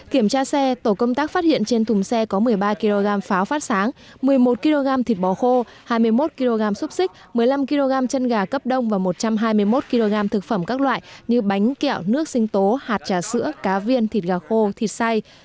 kiểm tra xe tổ công tác phát hiện trên thùng xe có một mươi ba kg pháo phát sáng một mươi một kg thịt bò khô hai mươi một kg xúc xích một mươi năm kg chân gà cấp đông và một trăm hai mươi một kg thực phẩm các loại như bánh kẹo nước sinh tố hạt trà sữa cá viên thịt gà khô thịt say